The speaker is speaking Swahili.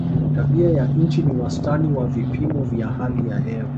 tabia ya nchi ni wastani wa vipimo vya hali ya hewa